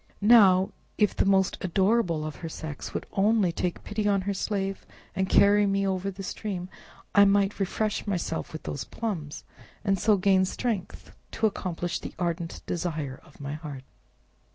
Now, if the most adorable of her sex would only take pity on her slave, and carry me over the stream, I might refresh myself with those plums, and so gain strength to accomplish the ardent desire of my heart!"